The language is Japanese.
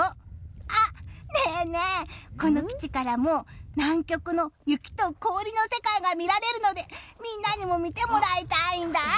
あ、ねえねえ、この基地からも南極の雪と氷の世界が見られるのでみんなにも見てもらいたいんだ。